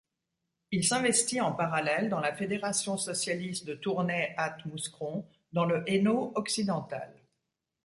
Il s'investit en parallèle dans la fédération socialiste de Tournai-Ath-Mouscron, dans le Hainaut occidental.